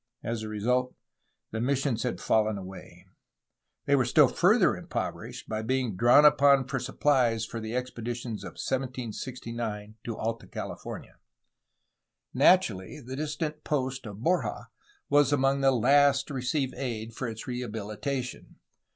As a result the missions had fallen away, and they were still further impoverished by being drawn upon for suppUes for the expeditions of 1769 to Alta California. Naturally, the distant post of Borja was among the last to receive aid for its rehabilitation.